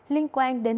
liên quan đến